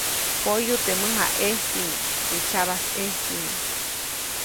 Poyu teʼ mäjaʼejsi. teʼ sabajsʼejsi.